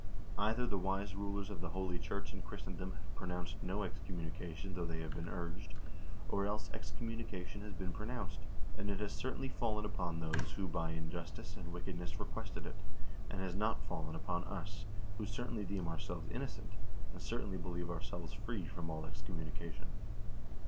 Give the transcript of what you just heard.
Either the wise rulers of the holy church and Christendom have pronounced no excommuni cation though they have been urged, or else excommunication has been pronounced, and it has certainly fallen upon those who by in justice and wickedness requested it, and has not fallen upon us, who certainly deem ourselves innocent, and certainly believe ourselves free from all excommunication."